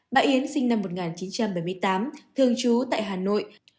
bà yến sinh năm một nghìn chín trăm bảy mươi tám thường trú tại hà nội